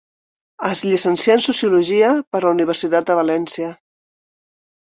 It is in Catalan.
Es llicencià en Sociologia per la Universitat de València.